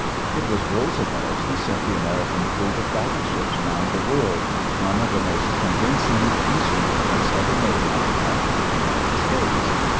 It was Roosevelt who sent the American fleet of battleships round the world, one of the most convincing peace movements ever made on behalf of the United States.